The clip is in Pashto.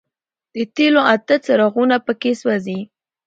د تېلو اته څراغونه په کې سوځي.